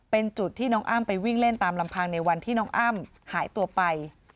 เป็นจุดที่น้องอ้ำไปวิ่งเล่นตามลำพังในวันที่น้องอ้ำหายตัวไป